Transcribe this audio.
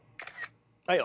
はいよ。